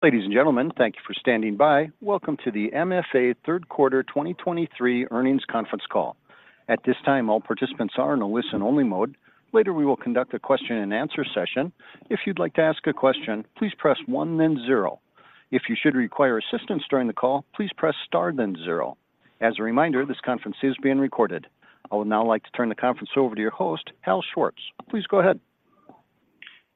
Ladies and gentlemen, thank you for standing by. Welcome to the MFA Third Quarter 2023 Earnings Conference Call. At this time, all participants are in a listen-only mode. Later, we will conduct a question and answer session. If you'd like to ask a question, please press one, then zero. If you should require assistance during the call, please press star, then zero. As a reminder, this conference is being recorded. I would now like to turn the conference over to your host, Hal Schwartz. Please go ahead.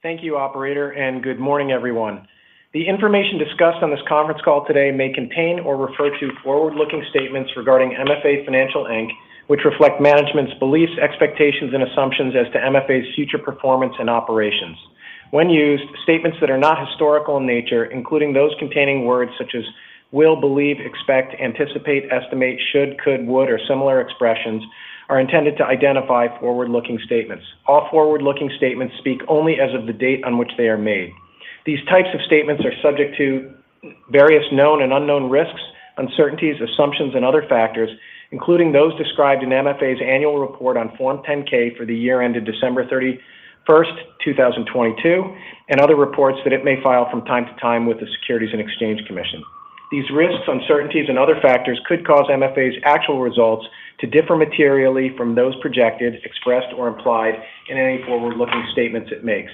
Thank you, operator, and good morning, everyone. The information discussed on this conference call today may contain or refer to forward-looking statements regarding MFA Financial Inc, which reflect management's beliefs, expectations, and assumptions as to MFA's future performance and operations. When used, statements that are not historical in nature, including those containing words such as will, believe, expect, anticipate, estimate, should, could, would, or similar expressions, are intended to identify forward-looking statements. All forward-looking statements speak only as of the date on which they are made. These types of statements are subject to various known and unknown risks, uncertainties, assumptions, and other factors, including those described in MFA's annual report on Form 10-K for the year ended December 31, 2022, and other reports that it may file from time to time with the Securities and Exchange Commission. These risks, uncertainties, and other factors could cause MFA's actual results to differ materially from those projected, expressed, or implied in any forward-looking statements it makes.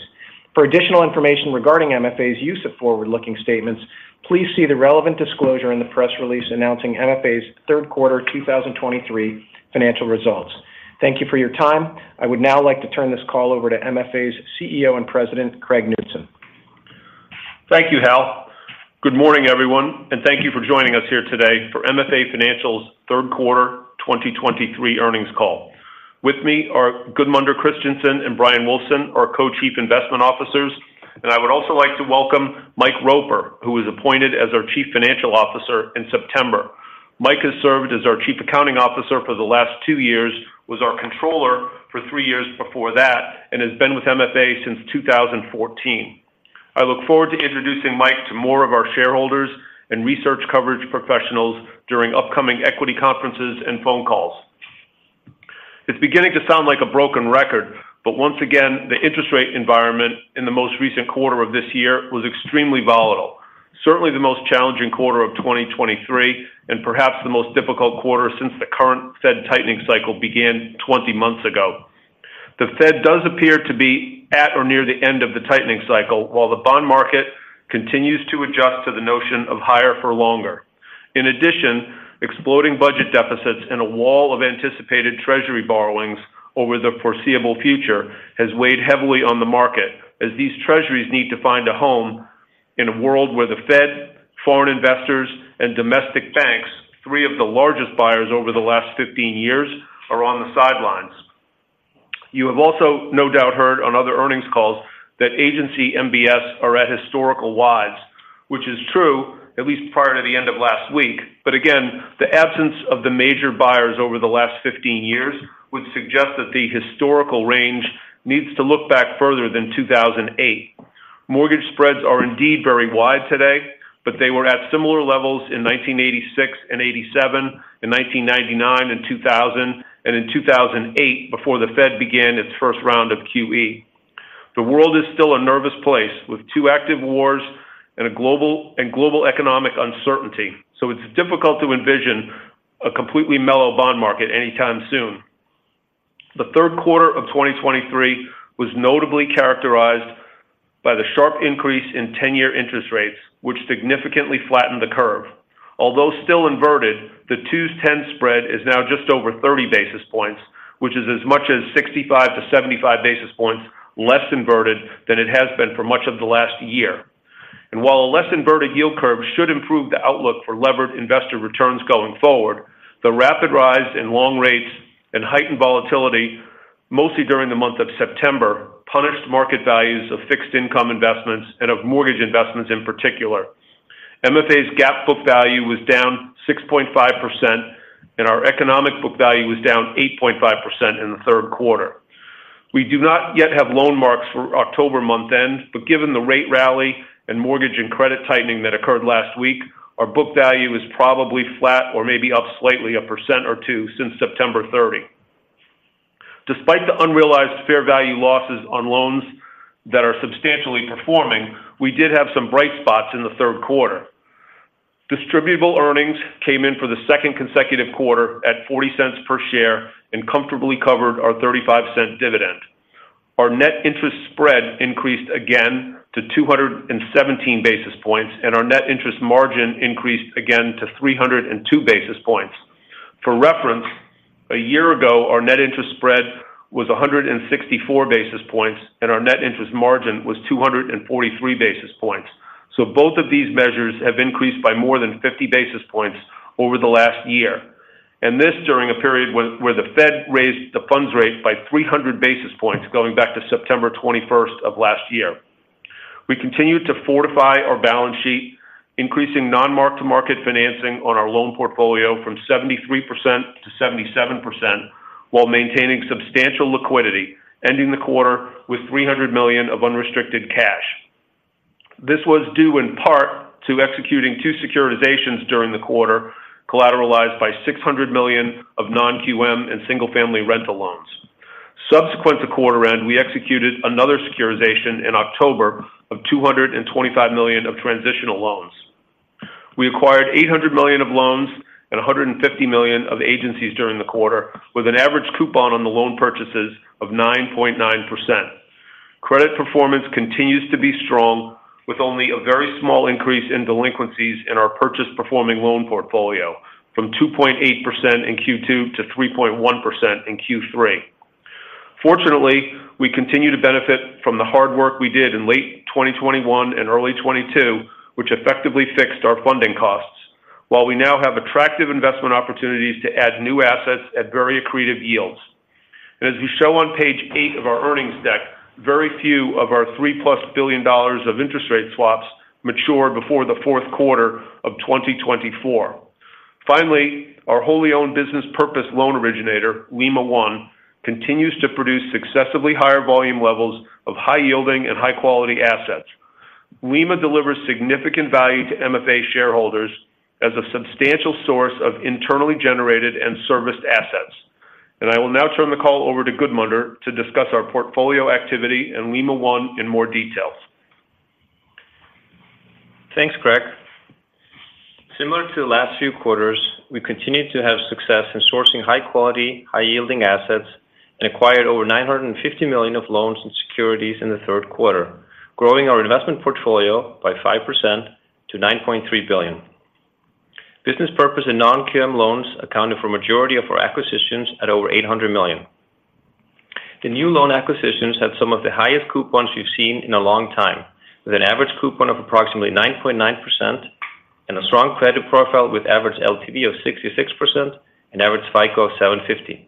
For additional information regarding MFA's use of forward-looking statements, please see the relevant disclosure in the press release announcing MFA's third quarter 2023 financial results. Thank you for your time. I would now like to turn this call over to MFA's CEO and President, Craig Knutson. Thank you, Hal. Good morning, everyone, and thank you for joining us here today for MFA Financial's third quarter 2023 earnings call. With me are Gudmundur Kristjansson and Bryan Wulfsohn, our Co-Chief Investment Officers, and I would also like to welcome Mike Roper, who was appointed as our Chief Financial Officer in September. Mike has served as our Chief Accounting Officer for the last two years, was our Controller for three years before that, and has been with MFA since 2014. I look forward to introducing Mike to more of our shareholders and research coverage professionals during upcoming equity conferences and phone calls. It's beginning to sound like a broken record, but once again, the interest rate environment in the most recent quarter of this year was extremely volatile. Certainly, the most challenging quarter of 2023, and perhaps the most difficult quarter since the current Fed tightening cycle began 20 months ago. The Fed does appear to be at or near the end of the tightening cycle, while the bond market continues to adjust to the notion of higher for longer. In addition, exploding budget deficits and a wall of anticipated Treasury borrowings over the foreseeable future has weighed heavily on the market, as these Treasuries need to find a home in a world where the Fed, foreign investors, and domestic banks, three of the largest buyers over the last 15 years, are on the sidelines. You have also no doubt heard on other earnings calls that Agency MBS are at historical wides, which is true, at least prior to the end of last week. But again, the absence of the major buyers over the last 15 years would suggest that the historical range needs to look back further than 2008. Mortgage spreads are indeed very wide today, but they were at similar levels in 1986 and 1987 and 1999 and 2000, and in 2008, before the Fed began its first round of QE. The world is still a nervous place, with two active wars and global economic uncertainty, so it's difficult to envision a completely mellow bond market anytime soon. The third quarter of 2023 was notably characterized by the sharp increase in 10-year interest rates, which significantly flattened the curve. Although still inverted, the 2s10s spread is now just over 30 basis points, which is as much as 65-75 basis points less inverted than it has been for much of the last year. While a less inverted yield curve should improve the outlook for levered investor returns going forward, the rapid rise in long rates and heightened volatility, mostly during the month of September, punished market values of fixed income investments and of mortgage investments in particular. MFA's GAAP book value was down 6.5%, and our Economic Book Value was down 8.5% in the third quarter. We do not yet have loan marks for October month-end, but given the rate rally and mortgage and credit tightening that occurred last week, our book value is probably flat or maybe up slightly 1%-2% since September 30. Despite the unrealized fair value losses on loans that are substantially performing, we did have some bright spots in the third quarter. Distributable Earnings came in for the second consecutive quarter at $0.40 per share and comfortably covered our $0.35 dividend. Our net interest spread increased again to 217 basis points, and our net interest margin increased again to 302 basis points. For reference, a year ago, our net interest spread was 164 basis points, and our net interest margin was 243 basis points. So both of these measures have increased by more than 50 basis points over the last year. And this during a period where the Fed raised the funds rate by 300 basis points going back to September 21 of last year. We continued to fortify our balance sheet, increasing non-mark-to-market financing on our loan portfolio from 73% to 77%, while maintaining substantial liquidity, ending the quarter with $300 million of unrestricted cash. This was due in part to executing two securitizations during the quarter, collateralized by $600 million of non-QM and single-family rental loans. Subsequent to quarter end, we executed another securitization in October of $225 million of transitional loans. We acquired $800 million of loans and $150 million of Agencies during the quarter, with an average coupon on the loan purchases of 9.9%. Credit performance continues to be strong, with only a very small increase in delinquencies in our purchase performing loan portfolio from 2.8% in Q2 to 3.1% in Q3. Fortunately, we continue to benefit from the hard work we did in late 2021 and early 2022, which effectively fixed our funding costs. While we now have attractive investment opportunities to add new assets at very accretive yields. And as we show on page 8 of our earnings deck, very few of our $3+ billion of interest rate swaps mature before the fourth quarter of 2024. Finally, our wholly owned business purpose loan originator, Lima One, continues to produce successively higher volume levels of high yielding and high-quality assets. Lima delivers significant value to MFA shareholders as a substantial source of internally generated and serviced assets. And I will now turn the call over to Gudmundur to discuss our portfolio activity and Lima One in more details. Thanks, Craig. Similar to the last few quarters, we continued to have success in sourcing high quality, high yielding assets and acquired over $950 million of loans and securities in the third quarter, growing our investment portfolio by 5% to $9.3 billion. Business purpose and non-QM loans accounted for majority of our acquisitions at over $800 million. The new loan acquisitions had some of the highest coupons we've seen in a long time, with an average coupon of approximately 9.9% and a strong credit profile with average LTV of 66% and average FICO of 750.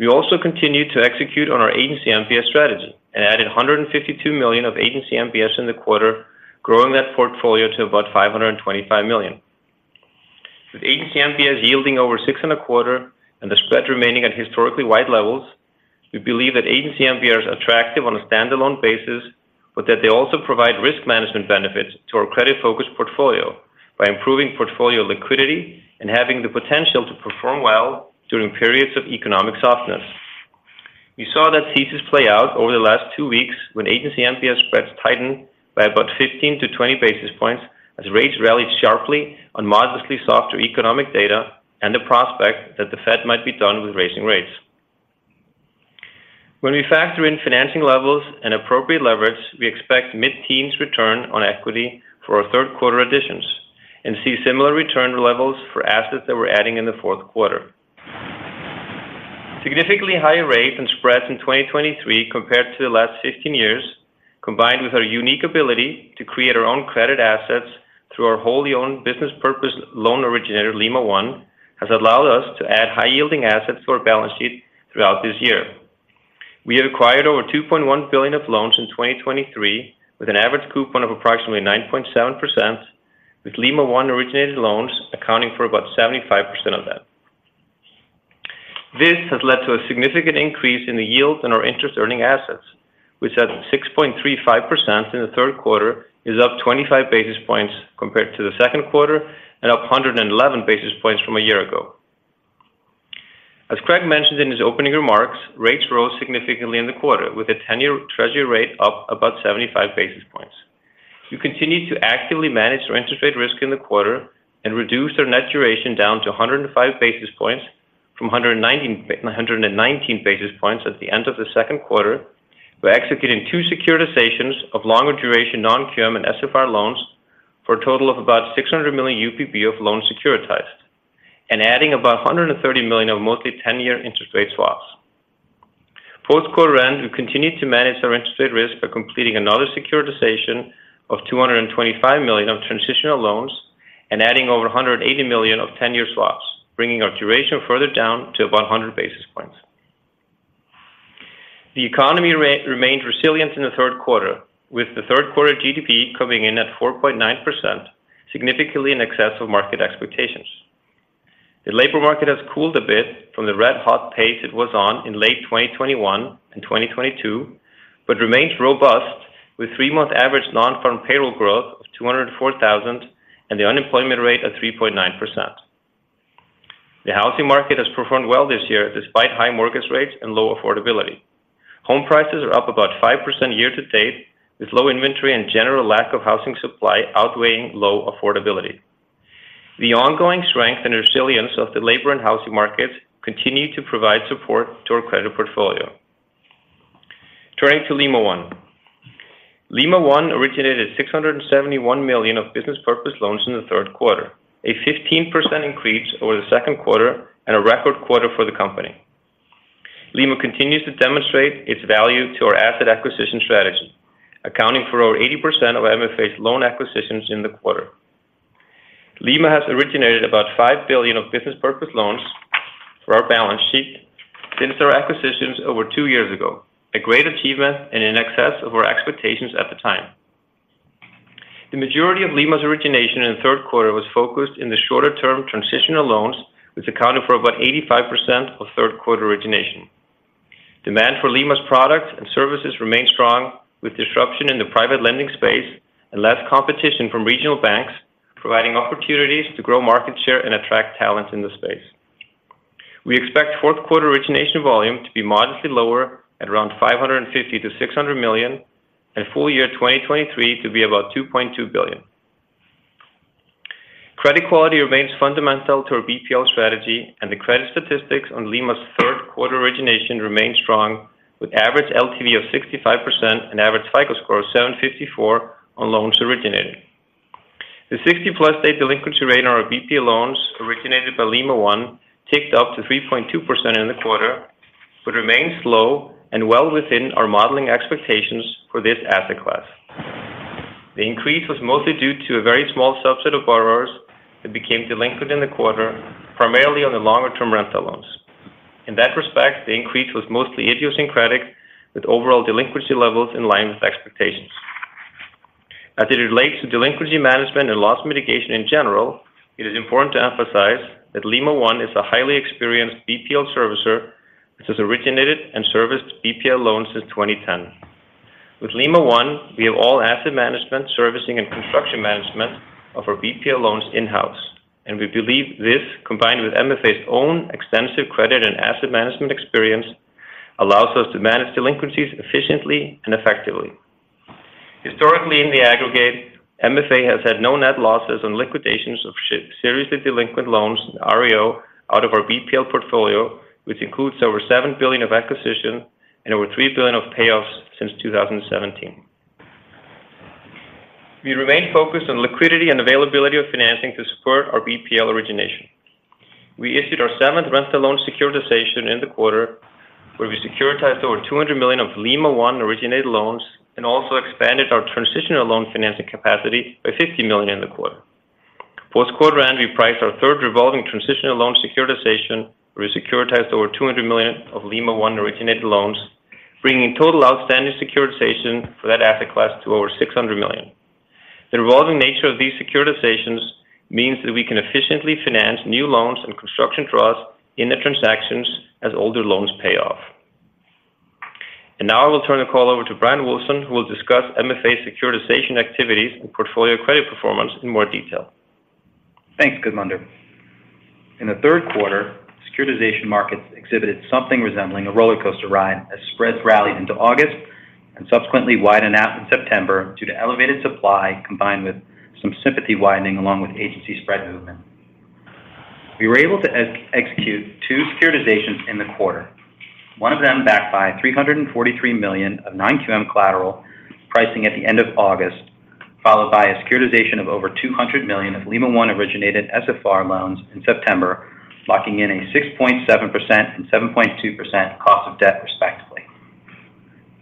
We also continued to execute on Agency MBS strategy and added $152 million Agency MBS in the quarter, growing that portfolio to about $525 million. Agency MBS yielding over 6.25 and the spread remaining at historically wide levels, we believe Agency MBS are attractive on a standalone basis, but that they also provide risk management benefits to our credit focus portfolio by improving portfolio liquidity and having the potential to perform well during periods of economic softness. We saw that thesis play out over the last two weeks Agency MBS spreads tightened by about 15-20 basis points, as rates rallied sharply on modestly softer economic data and the prospect that the Fed might be done with raising rates. When we factor in financing levels and appropriate leverage, we expect mid-teens return on equity for our third quarter additions and see similar return levels for assets that we're adding in the fourth quarter. Significantly higher rates and spreads in 2023 compared to the last 15 years, combined with our unique ability to create our own credit assets through our wholly owned business purpose loan originator, Lima One, has allowed us to add high-yielding assets to our balance sheet throughout this year. We have acquired over $2.1 billion of loans in 2023, with an average coupon of approximately 9.7%, with Lima One originated loans accounting for about 75% of that. This has led to a significant increase in the yield on our interest earning assets, which at 6.35% in the third quarter, is up 25 basis points compared to the second quarter and up 111 basis points from a year ago. As Craig mentioned in his opening remarks, rates rose significantly in the quarter, with a 10-year Treasury rate up about 75 basis points. We continued to actively manage our interest rate risk in the quarter and reduced our net duration down to 105 basis points from 119, 119 basis points at the end of the second quarter. We're executing 2 securitizations of longer duration, non-QM, and SFR loans for a total of about $600 million UPB of loans securitized and adding about $130 million of mostly 10-year interest rate swaps. Post-quarter end, we continued to manage our interest rate risk by completing another securitization of $225 million of transitional loans and adding over $180 million of 10-year swaps, bringing our duration further down to about 100 basis points. The economy remained resilient in the third quarter, with the third quarter GDP coming in at 4.9%, significantly in excess of market expectations. The labor market has cooled a bit from the red-hot pace it was on in late 2021 and 2022, but remains robust, with three-month average nonfarm payroll growth of 204,000 and the unemployment rate at 3.9%. The housing market has performed well this year, despite high mortgage rates and low affordability. Home prices are up about 5% year to date, with low inventory and general lack of housing supply outweighing low affordability. The ongoing strength and resilience of the labor and housing markets continue to provide support to our credit portfolio. Turning to Lima One. Lima One originated $671 million of business purpose loans in the third quarter, a 15% increase over the second quarter and a record quarter for the company. Lima continues to demonstrate its value to our asset acquisition strategy, accounting for over 80% of MFA's loan acquisitions in the quarter. Lima has originated about $5 billion of business purpose loans for our balance sheet since our acquisitions over two years ago. A great achievement and in excess of our expectations at the time. The majority of Lima's origination in the third quarter was focused in the shorter-term transitional loans, which accounted for about 85% of third quarter origination. Demand for Lima's products and services remained strong, with disruption in the private lending space and less competition from regional banks, providing opportunities to grow market share and attract talent in the space. We expect fourth quarter origination volume to be modestly lower at around $550 million-$600 million, and full year 2023 to be about $2.2 billion. Credit quality remains fundamental to our BPL strategy, and the credit statistics on Lima One's third quarter origination remain strong, with average LTV of 65% and average FICO score of 754 on loans originated. The 60+ day delinquency rate on our BPL loans originated by Lima One ticked up to 3.2% in the quarter, but remains low and well within our modeling expectations for this asset class. The increase was mostly due to a very small subset of borrowers that became delinquent in the quarter, primarily on the longer-term rental loans. In that respect, the increase was mostly idiosyncratic, with overall delinquency levels in line with expectations. As it relates to delinquency management and loss mitigation in general, it is important to emphasize that Lima One is a highly experienced BPL servicer, which has originated and serviced BPL loans since 2010. With Lima One, we have all asset management, servicing, and construction management of our BPL loans in-house, and we believe this, combined with MFA's own extensive credit and asset management experience, allows us to manage delinquencies efficiently and effectively. Historically, in the aggregate, MFA has had no net losses on liquidations of seriously delinquent loans in REO out of our BPL portfolio, which includes over $7 billion of acquisition and over $3 billion of payoffs since 2017. We remain focused on liquidity and availability of financing to support our BPL origination. We issued our seventh rental loan securitization in the quarter, where we securitized over $200 million of Lima One-originated loans and also expanded our transitional loan financing capacity by $50 million in the quarter. Post-quarter end, we priced our third revolving transitional loan securitization, where we securitized over $200 million of Lima One-originated loans, bringing total outstanding securitization for that asset class to over $600 million. The revolving nature of these securitizations means that we can efficiently finance new loans and construction draws in the transactions as older loans pay off. Now I will turn the call over to Bryan Wulfsohn, who will discuss MFA's securitization activities and portfolio credit performance in more detail. Thanks, Gudmundur. In the third quarter, securitization markets exhibited something resembling a rollercoaster ride as spreads rallied into August and subsequently widened out in September due to elevated supply, combined with some sympathy widening, along with Agency spread movement. We were able to execute two securitizations in the quarter. One of them backed by $343 million of non-QM collateral pricing at the end of August, followed by a securitization of over $200 million of Lima One-originated SFR loans in September, locking in a 6.7% and 7.2% cost of debt, respectively.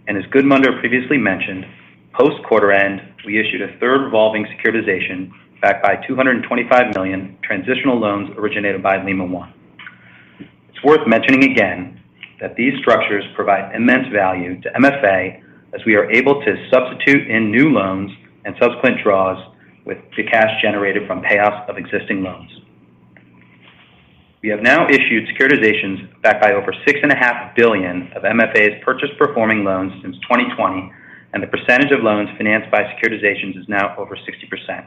As Gudmundur previously mentioned, post-quarter end, we issued a third revolving securitization backed by $225 million transitional loans originated by Lima One. It's worth mentioning again that these structures provide immense value to MFA as we are able to substitute in new loans and subsequent draws with the cash generated from payoffs of existing loans. We have now issued securitizations backed by over $6.5 billion of MFA's purchase performing loans since 2020, and the percentage of loans financed by securitizations is now over 60%.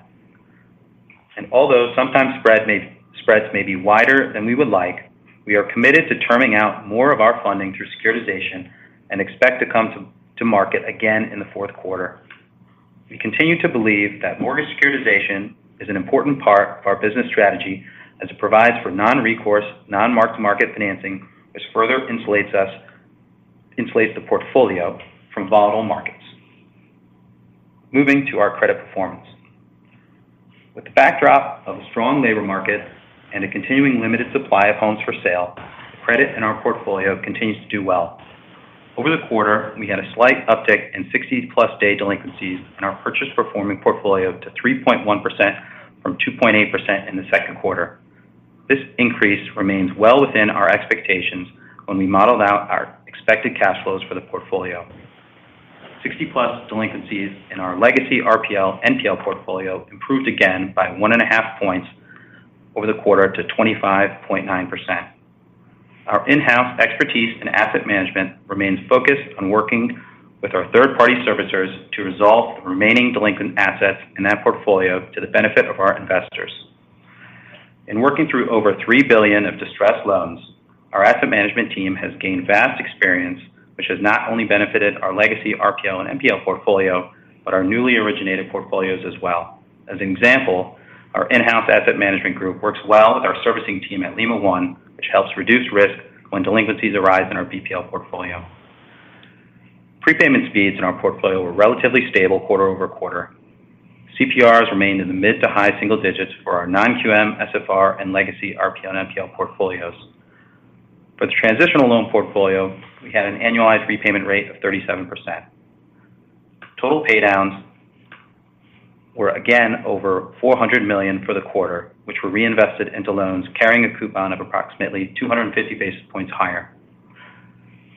And although sometimes spreads may be wider than we would like, we are committed to terming out more of our funding through securitization and expect to come to market again in the fourth quarter. We continue to believe that mortgage securitization is an important part of our business strategy, as it provides for non-recourse, non-mark-to-market financing, which further insulates the portfolio from volatile markets. Moving to our credit performance. With the backdrop of a strong labor market and a continuing limited supply of homes for sale, credit in our portfolio continues to do well. Over the quarter, we had a slight uptick in 60+ day delinquencies in our purchase performing portfolio to 3.1% from 2.8% in the second quarter. This increase remains well within our expectations when we modeled out our expected cash flows for the portfolio. 60+ delinquencies in our legacy RPL NPL portfolio improved again by 1.5 points over the quarter to 25.9%. Our in-house expertise and asset management remains focused on working with our third-party servicers to resolve the remaining delinquent assets in that portfolio to the benefit of our investors. In working through over $3 billion of distressed loans, our asset management team has gained vast experience, which has not only benefited our legacy RPL and NPL portfolio, but our newly originated portfolios as well. As an example, our in-house asset management group works well with our servicing team at Lima One, which helps reduce risk when delinquencies arise in our BPL portfolio. Prepayment speeds in our portfolio were relatively stable quarter-over-quarter. CPRs remained in the mid- to high-single digits for our non-QM, SFR, and legacy RPL and NPL portfolios. For the transitional loan portfolio, we had an annualized repayment rate of 37%. Total paydowns were again over $400 million for the quarter, which were reinvested into loans carrying a coupon of approximately 250 basis points higher.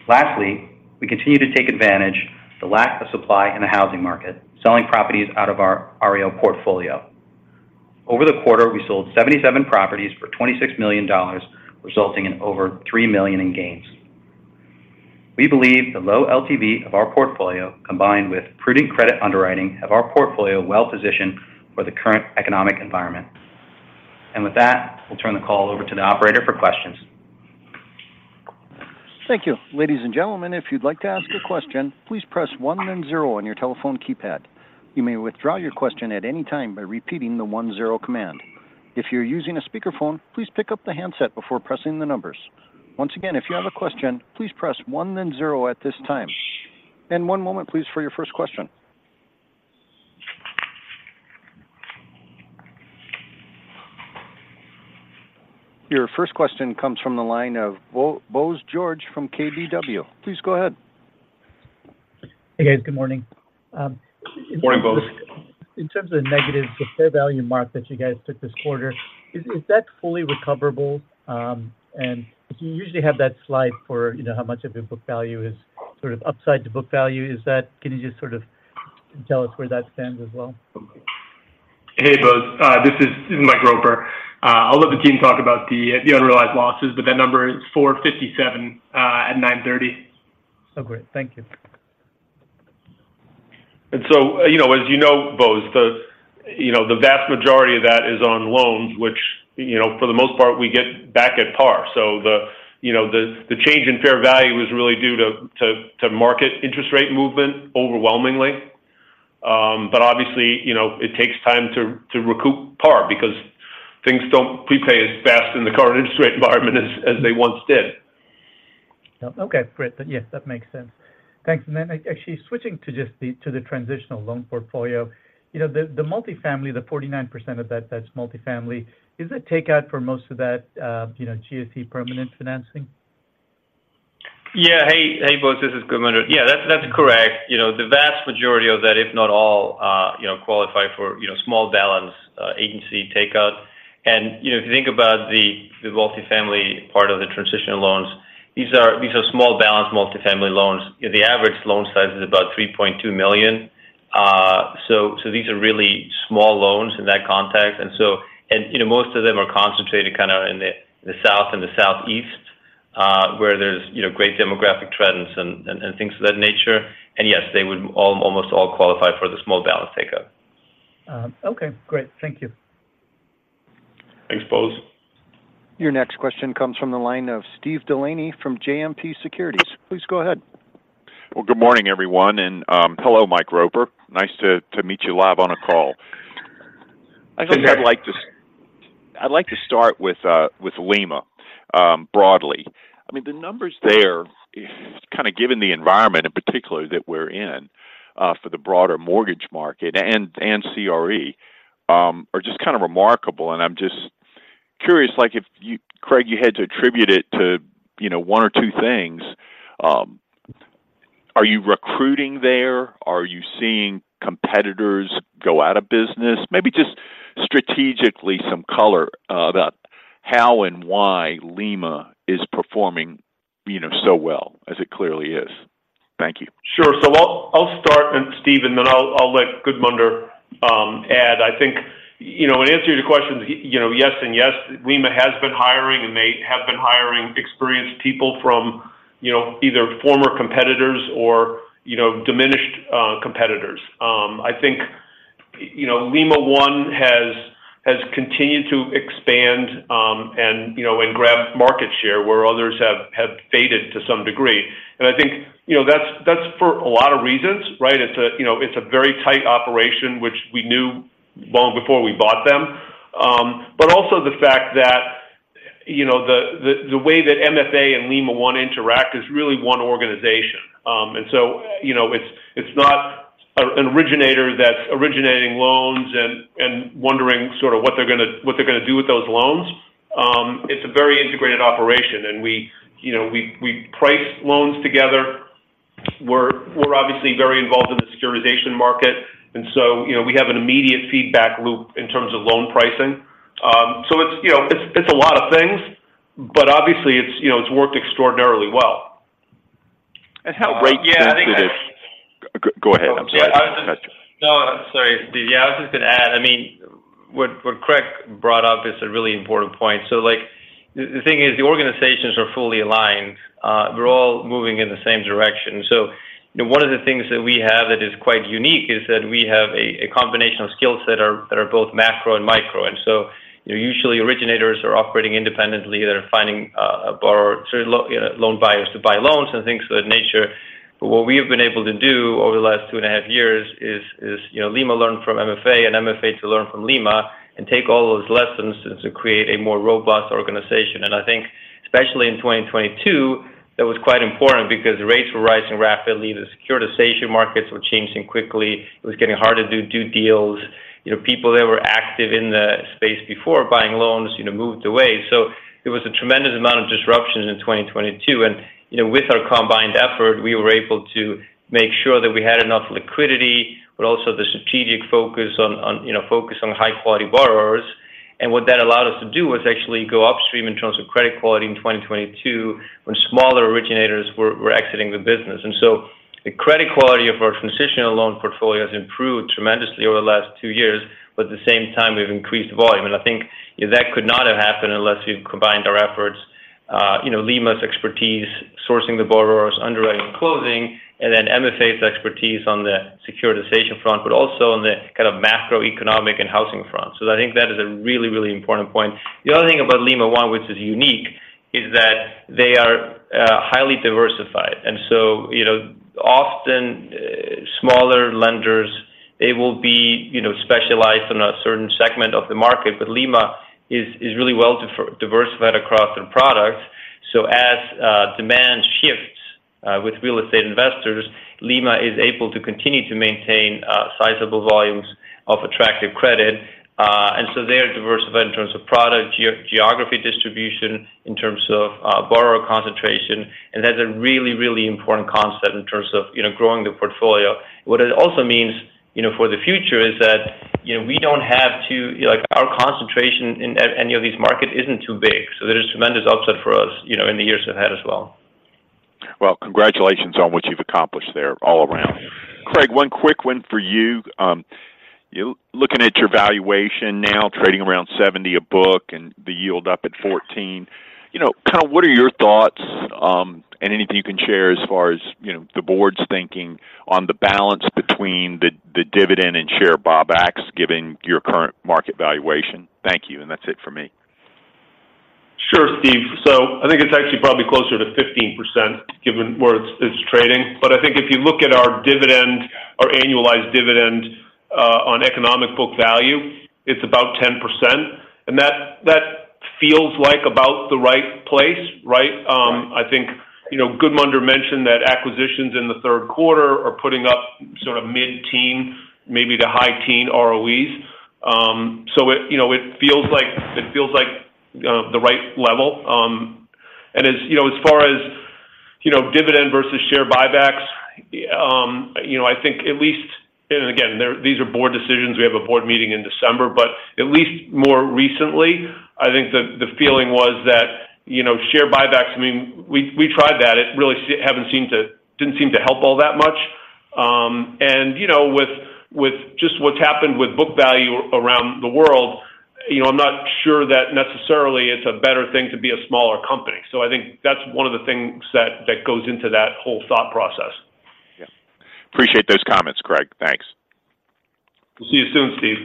Lastly, we continue to take advantage of the lack of supply in the housing market, selling properties out of our REO portfolio. Over the quarter, we sold 77 properties for $26 million, resulting in over $3 million in gains. We believe the low LTV of our portfolio, combined with prudent credit underwriting, have our portfolio well-positioned for the current economic environment. With that, we'll turn the call over to the operator for questions. Thank you. Ladies and gentlemen, if you'd like to ask a question, please press one then zero on your telephone keypad. You may withdraw your question at any time by repeating the one zero command. If you're using a speakerphone, please pick up the handset before pressing the numbers. Once again, if you have a question, please press one then zero at this time. One moment, please, for your first question. Your first question comes from the line of Bose George from KBW. Please go ahead. Hey, guys. Good morning. Good morning, Bose. In terms of the negative, the fair value mark that you guys took this quarter, is that fully recoverable? And you usually have that slide for, you know, how much of your book value is sort of upside to book value. Is that? Can you just sort of tell us where that stands as well? Hey, Bose. This is, this is Mike Roper. I'll let the team talk about the, the unrealized losses, but that number is $457 at 9/30. Okay, thank you. And so, you know, as you know, Bose, you know, the vast majority of that is on loans, which, you know, for the most part, we get back at par. So, you know, the change in fair value is really due to market interest rate movement overwhelmingly. But obviously, you know, it takes time to recoup par because things don't prepay as fast in the current interest rate environment as they once did. Okay, great. Yes, that makes sense. Thanks. And then, like, actually switching to just the transitional loan portfolio, you know, the multifamily, the 49% of that, that's multifamily, is a takeout for most of that, you know, GSE permanent financing? Yeah. Hey, hey, Bose, this is Gudmundur. Yeah, that's correct. You know, the vast majority of that, if not all, you know, qualify for, you know, small balance Agency takeout. And, you know, if you think about the multifamily part of the transitional loans, these are small balance multifamily loans. The average loan size is about $3.2 million. So these are really small loans in that context. And so. And, you know, most of them are concentrated kinda in the South and the Southeast, where there's, you know, great demographic trends and things of that nature. And yes, they would all, almost all qualify for the small balance takeout. Okay, great. Thank you. Thanks, Bose. Your next question comes from the line of Steve Delaney from JMP Securities. Please go ahead. Well, good morning, everyone, and hello, Mike Roper. Nice to meet you live on a call. I'd like to start with with Lima broadly. I mean, the numbers there, kind of given the environment in particular that we're in, for the broader mortgage market and, and CRE, are just kind of remarkable, and I'm just curious, like, if you, Craig, you had to attribute it to, you know, one or two things, are you recruiting there? Are you seeing competitors go out of business? Maybe just strategically, some color, about how and why Lima is performing, you know, so well as it clearly is. Thank you. Sure. So I'll start, and Steve, and then I'll let Gudmundur add. I think, you know, in answer to your question, you know, yes and yes, Lima has been hiring, and they have been hiring experienced people from, you know, either former competitors or, you know, diminished competitors. I think, you know, Lima One has continued to expand, and, you know, and grab market share where others have faded to some degree. And I think, you know, that's for a lot of reasons, right? It's a, you know, very tight operation, which we knew long before we bought them. But also the fact that, you know, the way that MFA and Lima One interact is really one organization. And so, you know, it's not an originator that's originating loans and wondering sort of what they're gonna do with those loans. It's a very integrated operation, and we, you know, we price loans together. We're obviously very involved in the securitization market, and so, you know, we have an immediate feedback loop in terms of loan pricing. So it's, you know, it's a lot of things, but obviously, it's worked extraordinarily well. How rate sensitive- Yeah, I think- Go, go ahead. I'm sorry. No, I'm sorry. Yeah, I was just gonna add, I mean, what, what Craig brought up is a really important point. So, like, the thing is, the organizations are fully aligned. We're all moving in the same direction. So, you know, one of the things that we have that is quite unique is that we have a combination of skills that are both macro and micro. And so, you know, usually, originators are operating independently. They're finding a borrower, sorry, loan buyers to buy loans and things of that nature. But what we have been able to do over the last 2.5 years is, you know, Lima learned from MFA and MFA to learn from Lima and take all those lessons and to create a more robust organization. I think especially in 2022, that was quite important because rates were rising rapidly, the securitization markets were changing quickly. It was getting harder to do deals. You know, people that were active in the space before buying loans, you know, moved away. So it was a tremendous amount of disruption in 2022, and, you know, with our combined effort, we were able to make sure that we had enough liquidity, but also the strategic focus on, you know, focus on high-quality borrowers. And what that allowed us to do was actually go upstream in terms of credit quality in 2022, when smaller originators were exiting the business. And so, you know, the credit quality of our transitional loan portfolio has improved tremendously over the last two years, but at the same time, we've increased volume. I think that could not have happened unless we've combined our efforts, you know, Lima One's expertise, sourcing the borrowers, underwriting, and closing, and then MFA's expertise on the securitization front, but also on the kind of macroeconomic and housing front. So I think that is a really, really important point. The other thing about Lima One, which is unique, is that they are highly diversified. And so, you know, often smaller lenders, they will be, you know, specialized in a certain segment of the market, but Lima is really well diversified across their products. So as demand shifts with real estate investors, Lima is able to continue to maintain sizable volumes of attractive credit. And so they are diversified in terms of product, geography distribution, in terms of borrower concentration, and that's a really, really important concept in terms of, you know, growing the portfolio. What it also means, you know, for the future is that, you know, we don't have to, like, our concentration in any of these market isn't too big, so there is tremendous upside for us, you know, in the years ahead as well. Well, congratulations on what you've accomplished there all around. Craig, one quick one for you. You looking at your valuation now, trading around 70 a book and the yield up at 14, you know, kind of what are your thoughts, and anything you can share as far as, you know, the board's thinking on the balance between the dividend and share buybacks, given your current market valuation? Thank you, and that's it for me. Sure, Steve. So I think it's actually probably closer to 15%, given where it's, it's trading. But I think if you look at our dividend, our annualized dividend, on Economic Book Value, it's about 10%, and that, that feels like about the right place, right? I think, you know, Gudmundur mentioned that acquisitions in the third quarter are putting up sort of mid-teen, maybe to high teen ROEs. So it, you know, it feels like, it feels like, the right level. And as, you know, as far as, you know, dividend versus share buybacks, you know, I think at least... And again, these are board decisions. We have a board meeting in December, but at least more recently, I think the, the feeling was that, you know, share buybacks, I mean, we, we tried that. It really didn't seem to help all that much. And, you know, with just what's happened with book value around the world, you know, I'm not sure that necessarily it's a better thing to be a smaller company. So I think that's one of the things that goes into that whole thought process. Yeah. Appreciate those comments, Craig. Thanks. We'll see you soon, Steve.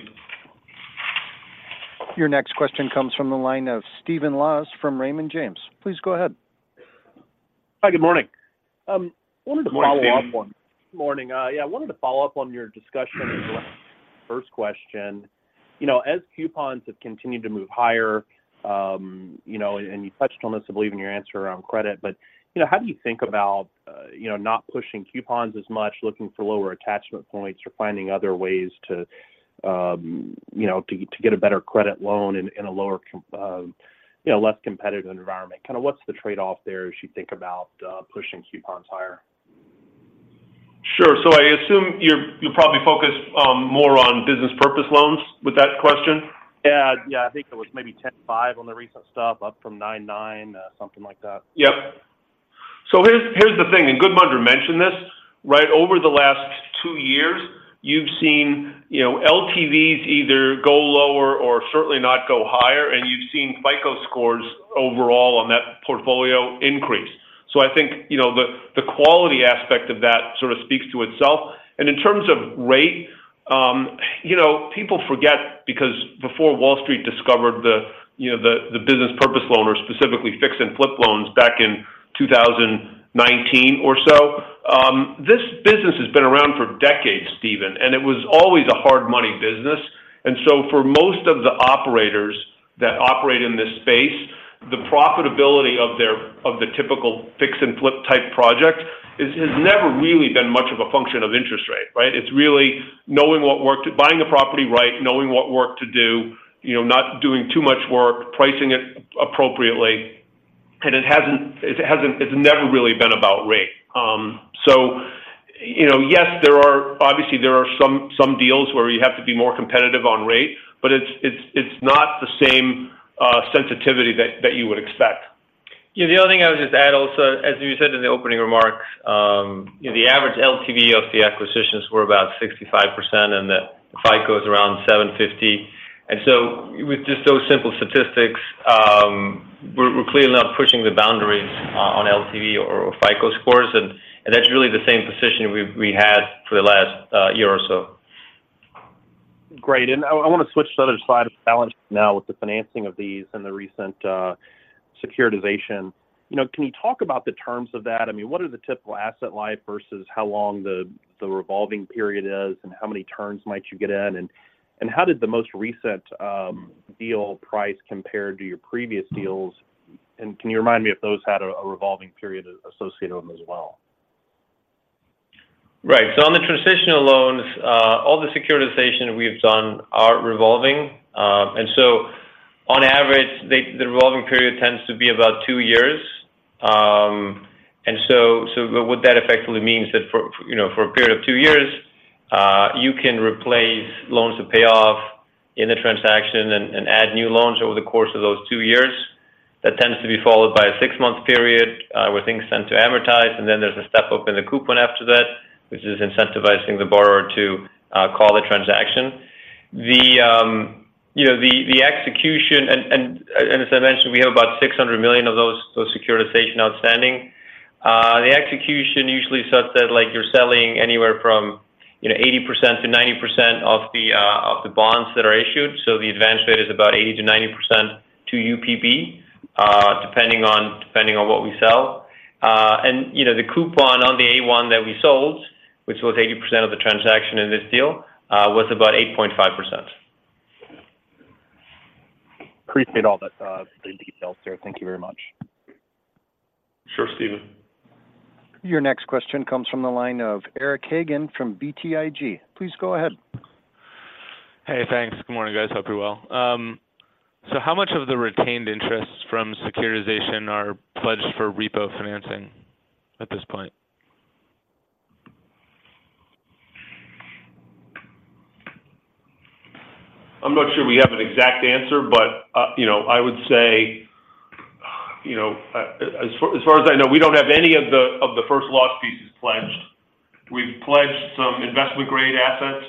Your next question comes from the line of Stephen Laws from Raymond James. Please go ahead. Hi, good morning. I wanted to follow up on- Good morning, Stephen. Morning. Yeah, I wanted to follow up on your discussion, first question. You know, as coupons have continued to move higher, you know, and you touched on this, I believe, in your answer around credit, but, you know, how do you think about, you know, not pushing coupons as much, looking for lower attachment points or finding other ways to, you know, to get a better credit loan in a less competitive environment? Kind of what's the trade-off there as you think about pushing coupons higher? Sure. So I assume you're, you're probably focused more on business purpose loans with that question? Yeah. Yeah, I think it was maybe 10.5 on the recent stuff, up from 9.9, something like that. Yep. So here's the thing, and Gudmundur mentioned this, right? Over the last two years, you've seen, you know, LTVs either go lower or certainly not go higher, and you've seen FICO scores overall on that portfolio increase. So I think, you know, the quality aspect of that sort of speaks to itself. And in terms of rate, you know, people forget because before Wall Street discovered the, you know, the business purpose loan or specifically fix and flip loans back in 2019 or so, this business has been around for decades, Stephen, and it was always a hard money business. And so for most of the operators that operate in this space, the profitability of their of the typical fix and flip type project has never really been much of a function of interest rate, right? It's really knowing what work to do, buying the property right, knowing what work to do, you know, not doing too much work, pricing it appropriately, and it hasn't. It's never really been about rate. So you know, yes, there are obviously some deals where you have to be more competitive on rate, but it's not the same sensitivity that you would expect. Yeah, the other thing I would just add also, as you said in the opening remarks, the average LTV of the acquisitions were about 65%, and the FICO is around 750. And so with just those simple statistics, we're clearly not pushing the boundaries on LTV or FICO scores, and that's really the same position we've had for the last year or so. Great. And I want to switch to the other side of the balance now with the financing of these and the recent securitization. You know, can you talk about the terms of that? I mean, what are the typical asset life versus how long the revolving period is, and how many turns might you get in? And how did the most recent deal price compare to your previous deals? And can you remind me if those had a revolving period associated with them as well? Right. So on the transitional loans, all the securitization we've done are revolving. And so on average, the revolving period tends to be about two years. And so, so what that effectively means is that for, you know, for a period of two years, you can replace loans to pay off in the transaction and add new loans over the course of those two years. That tends to be followed by a six-month period, where things tend to amortize, and then there's a step up in the coupon after that, which is incentivizing the borrower to call the transaction. The, you know, the execution and as I mentioned, we have about $600 million of those securitization outstanding. The execution usually such that like you're selling anywhere from, you know, 80%-90% of the of the bonds that are issued. So the advance rate is about 80%-90% to UPB, depending on, depending on what we sell. And, you know, the coupon on the A-1 that we sold, which was 80% of the transaction in this deal, was about 8.5%. Appreciate all that, the details there. Thank you very much. Sure, Stephen. Your next question comes from the line of Eric Hagan from BTIG. Please go ahead. Hey, thanks. Good morning, guys. Hope you're well. How much of the retained interest from securitization are pledged for repo financing at this point? I'm not sure we have an exact answer, but you know, I would say, you know, as far as I know, we don't have any of the first loss pieces pledged. We've pledged some investment-grade assets,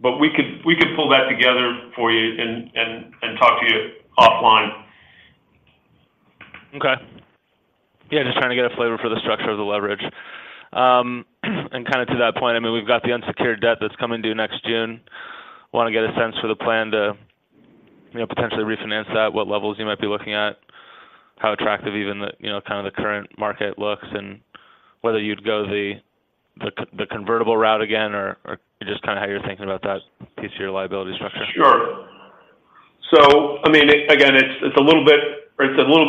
but we could pull that together for you and talk to you offline. Okay. Yeah, just trying to get a flavor for the structure of the leverage. And kind of to that point, I mean, we've got the unsecured debt that's coming due next June. Want to get a sense for the plan to, you know, potentially refinance that, what levels you might be looking at? How attractive even the, you know, kind of the current market looks, and whether you'd go the the convertible route again, or just kinda how you're thinking about that piece of your liability structure. Sure. So I mean, again, it's a little bit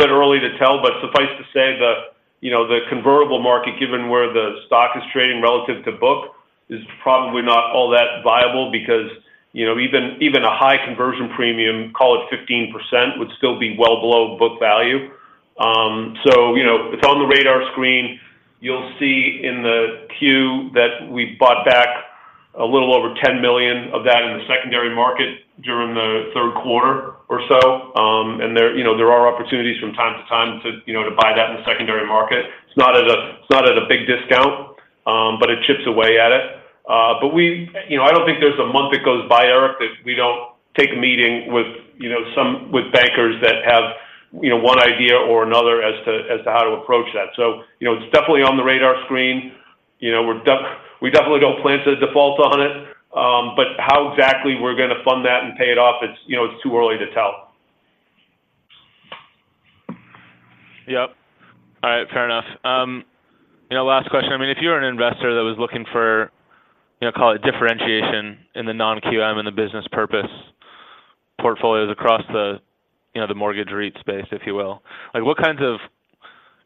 early to tell, but suffice to say that, you know, the convertible market, given where the stock is trading relative to book, is probably not all that viable because, you know, even a high conversion premium, call it 15%, would still be well below book value. So, you know, it's on the radar screen. You'll see in the Q that we bought back a little over $10 million of that in the secondary market during the third quarter or so. And there, you know, there are opportunities from time to time to, you know, to buy that in the secondary market. It's not at a big discount, but it chips away at it. But we—you know, I don't think there's a month that goes by, Eric, that we don't take a meeting with, you know, some with bankers that have, you know, one idea or another as to how to approach that. So, you know, it's definitely on the radar screen. You know, we definitely don't plan to default on it, but how exactly we're gonna fund that and pay it off, it's, you know, it's too early to tell. Yep. All right, fair enough. You know, last question. I mean, if you were an investor that was looking for, you know, call it differentiation in the non-QM and the business purpose portfolios across the, you know, the mortgage REIT space, if you will. Like, what kinds of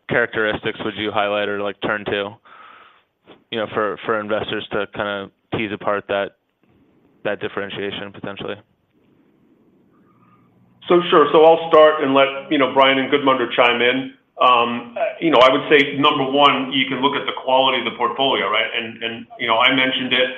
characteristics would you highlight or, like, turn to, you know, for investors to kind of tease apart that differentiation potentially? So, sure. So I'll start and let, you know, Bryan and Gudmundur chime in. You know, I would say, number one, you can look at the quality of the portfolio, right? And, you know, I mentioned it,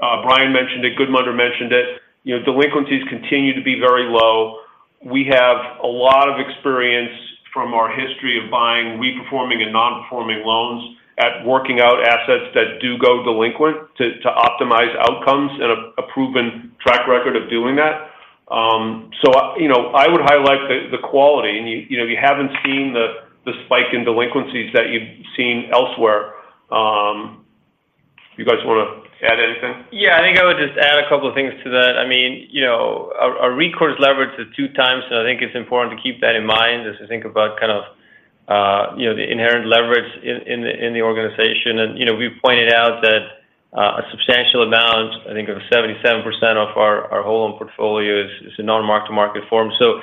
Bryan mentioned it, Gudmundur mentioned it. You know, delinquencies continue to be very low. We have a lot of experience from our history of buying re-performing and non-performing loans and working out assets that do go delinquent, to optimize outcomes and a proven track record of doing that. So, you know, I would highlight the quality. And you know, you haven't seen the spike in delinquencies that you've seen elsewhere. You guys wanna add anything? Yeah, I think I would just add a couple of things to that. I mean, you know, our recourse leverage is 2 times, so I think it's important to keep that in mind as we think about kind of, you know, the inherent leverage in the organization. And, you know, we've pointed out that a substantial amount, I think of 77% of our whole loan portfolio is in non-mark-to-market form. So, you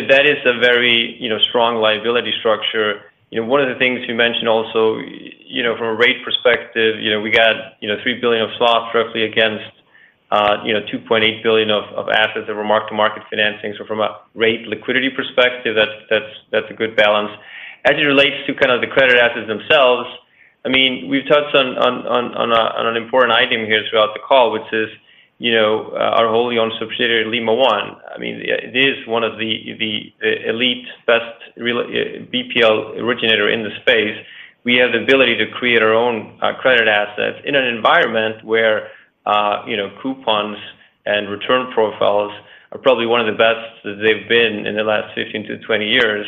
know, that is a very, you know, strong liability structure. You know, one of the things you mentioned also, you know, from a rate perspective, you know, we got, you know, $3 billion of swaps roughly against, you know, $2.8 billion of assets that were mark-to-market financing. So from a rate liquidity perspective, that's a good balance. As it relates to kind of the credit assets themselves, I mean, we've touched on an important item here throughout the call, which is, you know, our wholly owned subsidiary, Lima One. I mean, it is one of the elite best real BPL originator in the space. We have the ability to create our own credit assets in an environment where, you know, coupons and return profiles are probably one of the best that they've been in the last 15-20 years.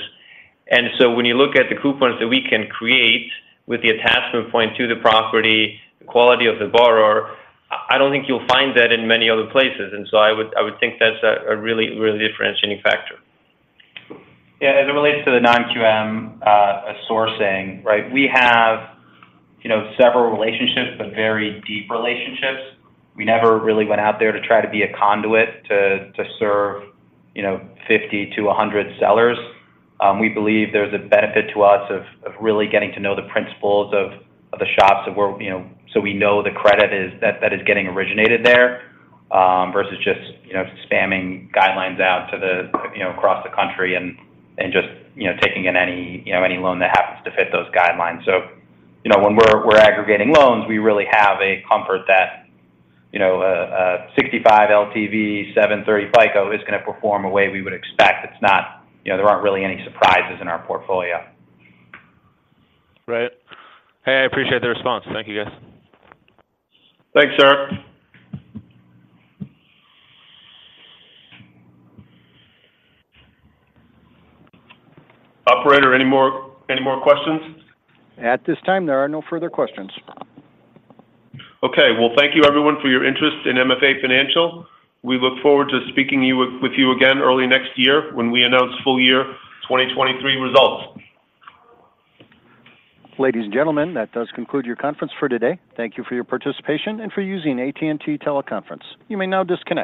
And so when you look at the coupons that we can create with the attachment point to the property, the quality of the borrower, I don't think you'll find that in many other places. And so I would think that's a really differentiating factor. Yeah, as it relates to the non-QM sourcing, right? We have, you know, several relationships, but very deep relationships. We never really went out there to try to be a conduit to serve, you know, 50-100 sellers. We believe there's a benefit to us of really getting to know the principals of the shops of where, you know. So we know the credit is that is getting originated there versus just, you know, spamming guidelines out to the, you know, across the country and just, you know, taking in any, you know, any loan that happens to fit those guidelines. So, you know, when we're aggregating loans, we really have a comfort that, you know, a 65 LTV, 730 FICO is gonna perform a way we would expect. It's not... You know, there aren't really any surprises in our portfolio. Right. Hey, I appreciate the response. Thank you, guys. Thanks, sir. Operator, any more, any more questions? At this time, there are no further questions. Okay. Well, thank you, everyone, for your interest in MFA Financial. We look forward to speaking with you again early next year when we announce full year 2023 results. Ladies and gentlemen, that does conclude your conference for today. Thank you for your participation and for using AT&T Teleconference. You may now disconnect.